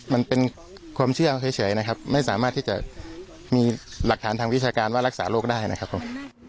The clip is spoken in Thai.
มันเป็นความเชื่อเฉยนะครับไม่สามารถที่จะมีหลักฐานทางวิชาการว่ารักษาโรคได้นะครับผม